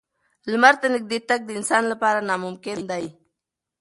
لمر ته نږدې تګ د انسان لپاره ناممکن دی.